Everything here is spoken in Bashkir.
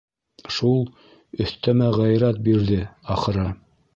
Шул өҫтәмә ғәйрәт бирҙе, ахыры.